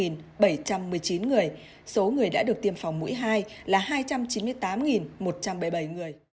chín trăm ba mươi năm bảy trăm một mươi chín người số người đã được tiêm phòng mũi hai là hai trăm chín mươi tám một trăm bảy mươi bảy người